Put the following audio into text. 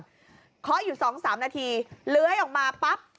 ออกมาก่อนคออยู่สองสามนาทีลื้อยออกมาปั๊บ